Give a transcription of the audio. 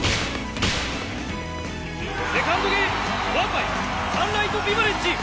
セカンドゲームワンバイサンライトビバレッジ。